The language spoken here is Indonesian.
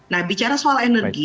nah bicara soal energi